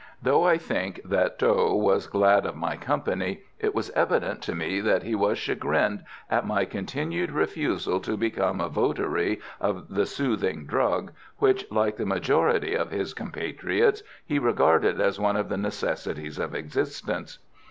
Though I think that Tho was glad of my company, it was evident to me that he was chagrined at my continued refusal to become a votary of the soothing drug, which, like the majority of his compatriots, he regarded as one of the necessities of existence.